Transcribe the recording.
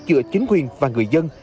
giữa chính quyền và người dân